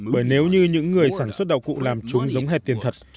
bởi nếu như những người sản xuất đạo cụ làm chúng giống hệt tiền thật